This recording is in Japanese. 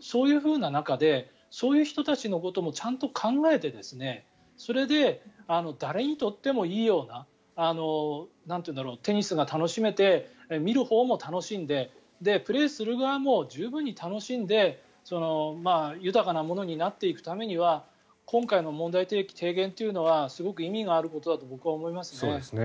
そういう中でそういう人たちのこともちゃんと考えてそれで、誰にとってもいいようなテニスが楽しめて見るほうも楽しんでプレーする側も十分に楽しんで豊かなものになっていくためには今回の問題提起、提言というのはすごく意味があることだと僕は思いますね。